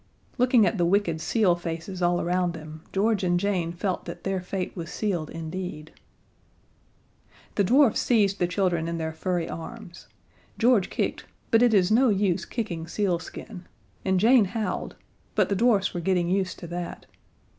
Looking at the wicked seal faces all around them, George and Jane felt that their fate was sealed indeed. The dwarfs seized the children in their furry arms. George kicked, but it is no use kicking sealskin, and Jane howled, but the dwarfs were getting used to that.